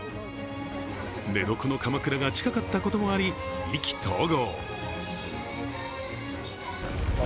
寝床のかまくらが近かったこともあり、意気投合。